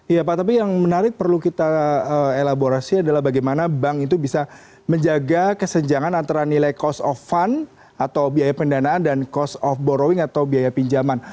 iya pak tapi yang menarik perlu kita elaborasi adalah bagaimana bank itu bisa menjaga kesenjangan antara nilai cost of fund atau biaya pendanaan dan cost of borrowing atau biaya pinjaman